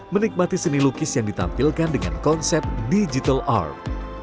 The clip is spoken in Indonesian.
menikmati seni lukis yang ditampilkan dengan konsep digital art